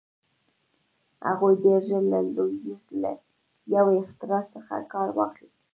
هغوی ډېر ژر له لوېدیځ له یوې اختراع څخه کار واخیست.